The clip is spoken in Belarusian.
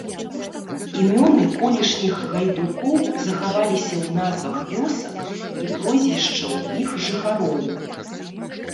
Імёны колішніх гайдукоў захаваліся ў назвах вёсак і прозвішчаў іх жыхароў.